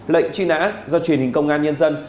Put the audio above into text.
lệnh truy nã do truyền hình công an nhân dân